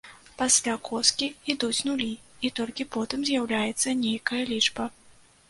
Пасля коскі ідуць нулі і толькі потым з'яўляецца нейкая лічба.